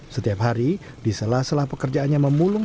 setiap hari di sela sela pekerjaannya memulung